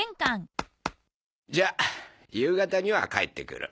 じゃあ夕方には帰ってくる。